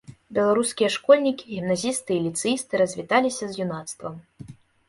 Беларускія школьнікі, гімназісты і ліцэісты развіталіся з юнацтвам.